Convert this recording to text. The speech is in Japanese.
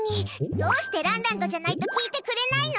どうしてランランドじゃないと聞いてくれないの？